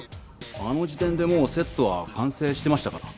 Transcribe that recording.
あの時点でもうセットは完成してましたから。